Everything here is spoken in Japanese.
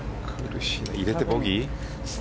入れてボギー？